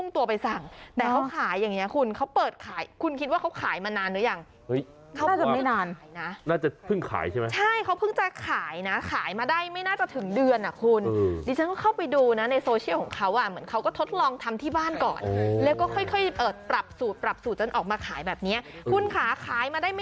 ตาเป็นสีเหลืองใสนะ